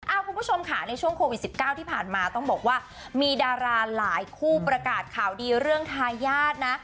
คุณผู้ชมค่ะในช่วงโควิด๑๙ที่ผ่านมาต้องบอกว่ามีดาราหลายคู่ประกาศข่าวดีเรื่องทายาทนะ